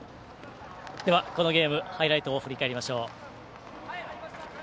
では、このゲームハイライトを振り返りましょう。